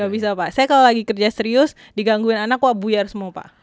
gak bisa pak saya kalau lagi kerja serius digangguin anak gue abu abu semua pak